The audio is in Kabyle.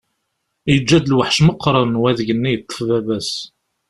Yeǧǧa-d lweḥc meqqren wadeg-nni yeṭṭef baba-s.